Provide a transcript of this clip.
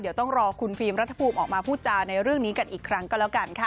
เดี๋ยวต้องรอคุณฟิล์มรัฐภูมิออกมาพูดจาในเรื่องนี้กันอีกครั้งก็แล้วกันค่ะ